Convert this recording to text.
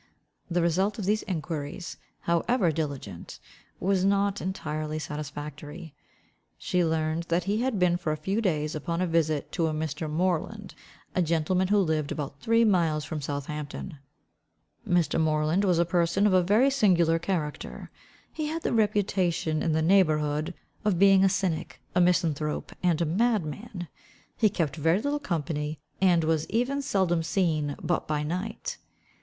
The result of these enquiries, however diligent, was not entirely satisfactory. She learned that he had been for a few days upon a visit to a Mr. Moreland, a gentleman who lived about three miles from Southampton. Mr. Moreland was a person of a very singular character. He had the reputation in the neighbourhood of being a cynic, a misanthrope, and a madman. He kept very little company, and was even seldom seen but by night.